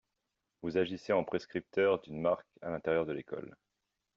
Vous agissez en prescripteurs d'une marque à l'intérieur de l'école.